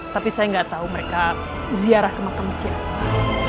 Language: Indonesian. tapi saya nggak tahu mereka ziarah ke makam siapa